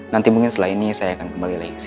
nanti mungkin setelah ini saya akan kembali lagi